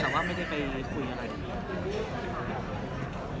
แต่ว่าไม่ได้ไปคุยอะไร